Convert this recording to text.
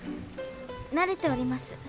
なれております。